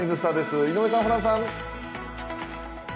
井上さん、ホランさん。